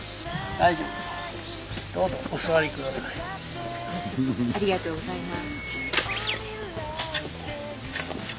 ありがとうございます。